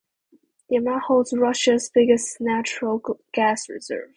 Yamal holds Russia's biggest natural gas reserves.